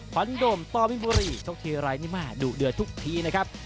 พันโดมต่อมิมบุรีชกเทียรายนิมาดุเดือดทุกทีนะครับ